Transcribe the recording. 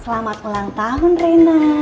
selamat ulang tahun reina